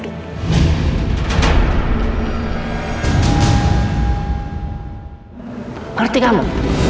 mereka akan terus mencari kamu